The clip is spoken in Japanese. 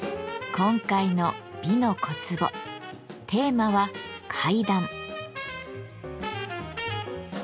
今回の「美の小壺」テーマは「階段」。